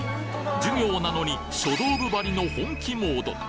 授業なのに書道部ばりの本気モード